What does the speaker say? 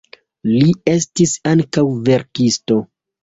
Li estis ankaŭ verkisto.